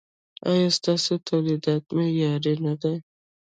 ایا ستاسو تولیدات معیاري نه دي؟